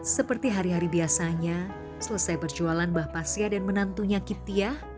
seperti hari hari biasanya selesai perjualan bapak siang dan menantunya kip tia